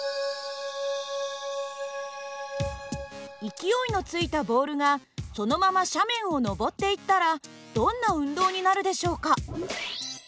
勢いのついたボールがそのまま斜面を上っていったらどんな運動になるでしょうか。